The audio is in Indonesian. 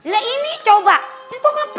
nah ini coba mpo ngepel